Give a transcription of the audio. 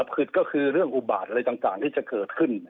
คือก็คือเรื่องอุบาตอะไรต่างที่จะเกิดขึ้น